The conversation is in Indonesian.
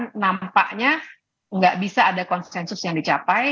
nampaknya nggak bisa ada konsensus yang dicapai